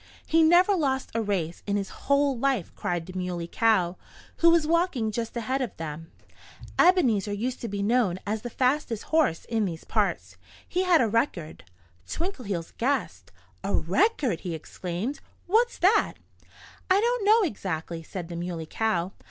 "He never lost a race in his whole life!" cried the Muley Cow, who was walking just ahead of them. "Ebenezer used to be known as the fastest horse in these parts. He had a record." Twinkleheels gasped. "A record!" he exclaimed. "What's that?" "I don't know, exactly," said the Muley Cow.